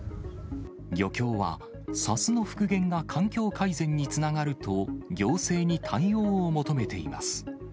漁協は砂州の復元が環境改善につながると、行政に対応を求めています。